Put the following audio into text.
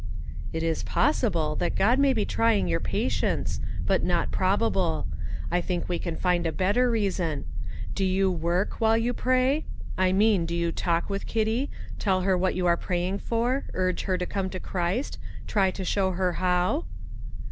"It is possible that God may be trying your patience, but not probable; I think we can find a better reason. Do you work while you pray? I mean, do you talk with Kitty, tell her what you are praying for, urge her to come to Christ, try to show her how?"